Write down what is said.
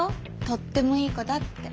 とってもいい子だって。